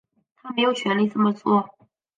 他没有权力这么做